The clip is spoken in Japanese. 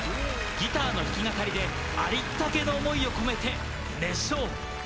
ギターの弾き語りでありったけの思いを込めて熱唱。